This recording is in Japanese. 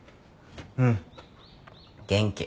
うん元気。